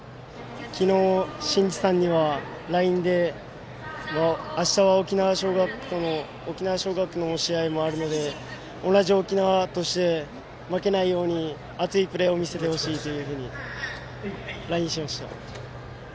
昨日、新地さんにはＬＩＮＥであした、沖縄尚学の試合もあるので同じ沖縄として負けないように熱いプレーを見せてほしいというふうにＬＩＮＥをしました。